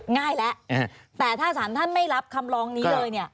ง่ายแล้วแต่ถ้าศาลท่านไม่รับคำร้องนี้เลย